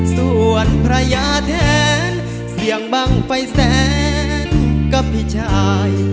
ส่วนภรรยาแทนเสียงบังไฟแสนกับพี่ชาย